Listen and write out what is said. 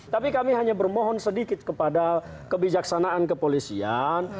tapi kami hanya bermohon sedikit kepada kebijaksanaan kepolisian